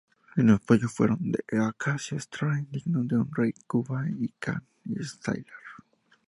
En apoyo fueron The Acacia Strain, digno de un rey, Kublai Khan, y Sylar.